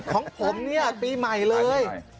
ของผมเนี่ยปีใหม่เลย